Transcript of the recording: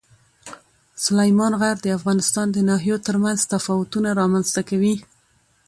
سلیمان غر د افغانستان د ناحیو ترمنځ تفاوتونه رامنځته کوي.